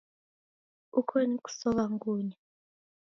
Uko ni kusow'a ngunya.